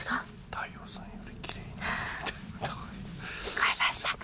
聞こえましたか？